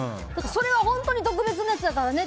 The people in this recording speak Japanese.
それは本当に特別なやつだからね！